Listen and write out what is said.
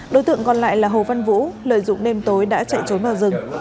đối tượng còn lại là hồ văn vũ lợi dụng đêm tối đã chạy trốn vào rừng